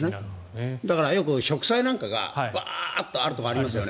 だからよく植栽なんかがバーッとあるところがありますよね。